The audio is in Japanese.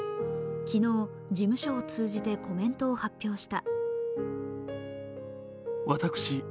昨日、事務所を通じてコメントを発表した。